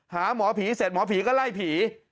หาหมอผีเสร็จหมอผีก็ไล่ผี